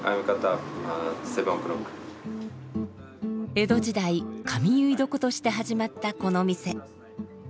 江戸時代髪結床として始まったこの店。